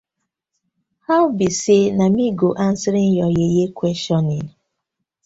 Why bi say na mi go answering yah yeye questioning.